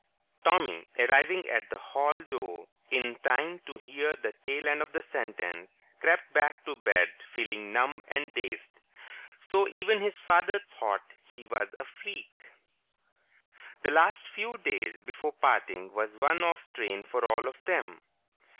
Tommy, arriving at the hall door in time to hear the tail end of the sentence, crept back to bed feeling numb and dazed. So even his father thought he was a freak. The last few days before parting was one of strain for all of them.